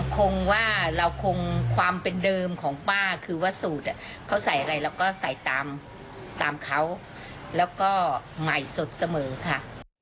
คงว่าเราคงความเป็นเดิมของป้าคือว่าสูตรเขาใส่อะไรเราก็ใส่ตามเขาแล้วก็ใหม่สดเสมอค่ะ